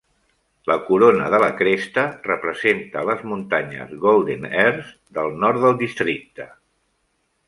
La corona de la cresta representa les muntanyes Golden Ears del nord del districte.